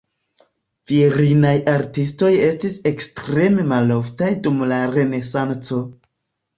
Virinaj artistoj estis ekstreme maloftaj dum la Renesanco.